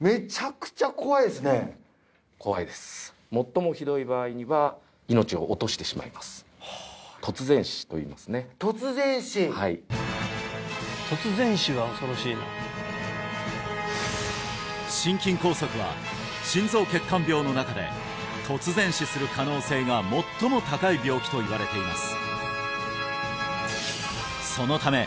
めちゃくちゃ怖いですね怖いです突然死といいますね突然死心筋梗塞は心臓血管病の中で突然死する可能性が最も高い病気といわれています